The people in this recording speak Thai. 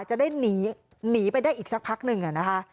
จะได้หนีหนีไปได้อีกสักพักนึงอะนะคะ